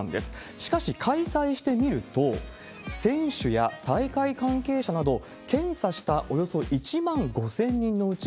しかし開催してみると、選手や大会関係者など、検査したおよそ１万５０００人のうち、